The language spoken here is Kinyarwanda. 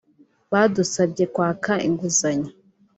badusabye kwaka inguzanyo